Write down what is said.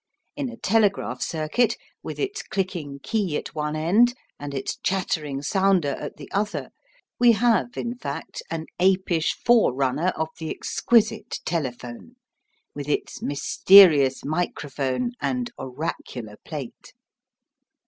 In a telegraph circuit, with its clicking key at one end and its chattering sounder at the other, we have, in fact, an apish forerunner of the exquisite telephone, with its mysterious microphone and oracular plate.